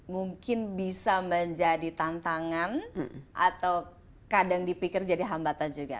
mungkin bisa menjadi tantangan atau kadang dipikir jadi hambatan juga